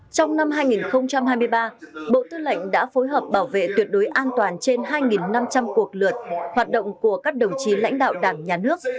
trong năm hai nghìn hai mươi ba bộ tư lệnh đã phối hợp bảo vệ tuyệt đối an toàn trên hai năm trăm linh cuộc lượt hoạt động của các đồng chí lãnh đạo đảng nhà nước